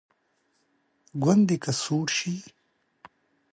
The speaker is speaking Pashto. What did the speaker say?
ګوندې که سوړ شي.